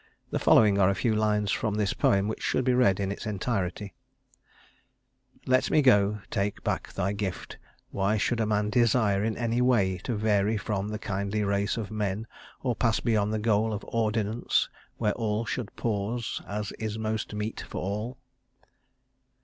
The following are a few lines from this poem, which should be read in its entirety: "Let me go; take back thy gift; Why should a man desire in any way To vary from the kindly race of men, Or pass beyond the goal of ordinance Where all should pause, as is most meet for all?